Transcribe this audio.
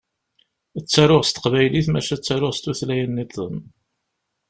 Ttaruɣ s teqbaylit maca ttaruɣ s tutlayin-nniḍen.